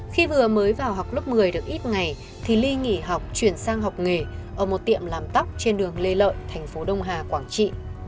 khi vừa mới vào học lớp một mươi được ít ngày thì ly nghỉ học chuyển sang học nghề ở một tiệm làm tóc trên đường lê lợi thành phố đông hà quảng trị